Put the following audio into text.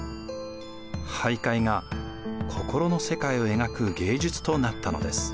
俳諧が心の世界を描く芸術となったのです。